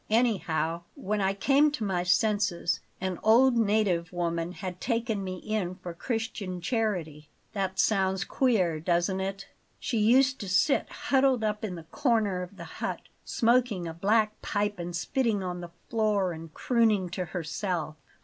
Anyhow, when I came to my senses, an old native woman had taken me in for Christian charity that sounds queer, doesn't it? She used to sit huddled up in the corner of the hut, smoking a black pipe and spitting on the floor and crooning to herself.